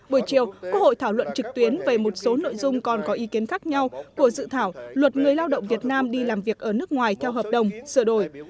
buổi chiều quốc hội thảo luận trực tuyến về một số nội dung còn có ý kiến khác nhau của dự thảo luật người lao động việt nam đi làm việc ở nước ngoài theo hợp đồng sửa đổi